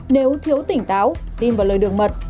nếu thiếu tỉnh táo tin vào lời đường mật